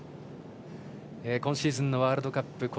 今シーズンのワールドカップ